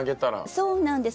そうなんです。